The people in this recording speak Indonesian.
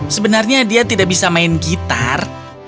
sebenarnya dia tidak bisa main gitar